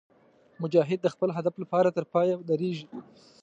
مجاهد د خپل هدف لپاره تر پایه درېږي.